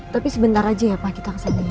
tapi sebentar aja ya pak kita kesana ya